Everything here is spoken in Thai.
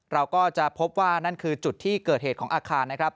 เราก็จะพบว่านั่นคือจุดที่เกิดเหตุของอาคารนะครับ